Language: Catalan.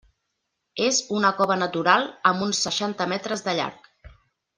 És una cova natural amb uns seixanta metres de llarg.